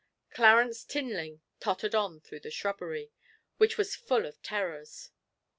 Clarence Tinling tottered on through the shrubbery, which was full of terrors.